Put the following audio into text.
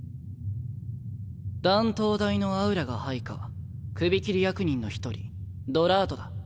断頭台のアウラが配下首切り役人の１人ドラートだ。